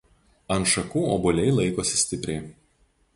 Ant šakų obuoliai laikosi stipriai.